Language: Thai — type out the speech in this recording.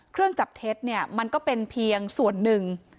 เครื่องจับเท็จเนี่ยมันก็เป็นเพียงส่วนหนึ่ง